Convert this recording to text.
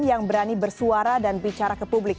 yang berani bersuara dan bicara ke publik